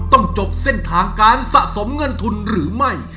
ต้องจบเส้นทางการสะสมเงินทุนหรือไม่